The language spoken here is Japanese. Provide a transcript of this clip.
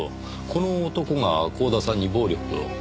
この男が光田さんに暴力を？